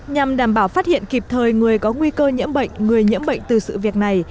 nhằm đảm bảo phát hiện kịp thời người có nguy cơ nhiễm bệnh người nhiễm bệnh từ sự việc này